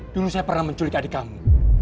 dulu saya pernah menculik adik kamu